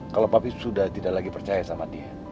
kalau pabrik sudah tidak lagi percaya sama dia